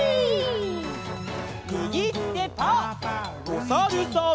おさるさん。